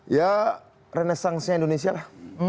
ya renesansnya indonesia lah